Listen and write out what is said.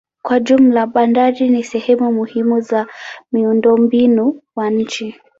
Kwa jumla bandari ni sehemu muhimu za miundombinu wa nchi.